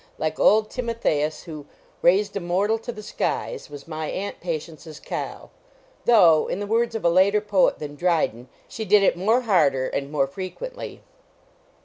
Like old Timotheus, who "raised a mortal to the skies," was my Aunt Patience's cow; though, in the words of a later poet than Dryden, she did it "more harder and more frequently."